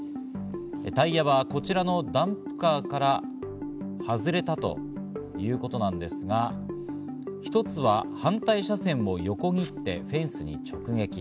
タイヤはこちらのダンプカーから外れたということなんですが、一つは反対車線を横切ってフェンスに直撃。